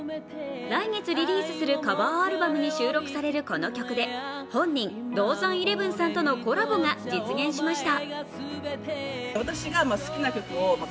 来月リリースするカバーアルバムに収録されるこの曲で本人、ＤＯＺＡＮ１１さんとのコラボが実現しました。